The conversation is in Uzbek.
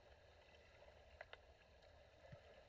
Bu ham bir jumboq.